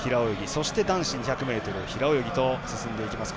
そして男子２００ｍ平泳ぎと進んでいきます。